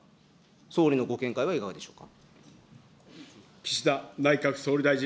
総理のご見解はいかがでしょうか。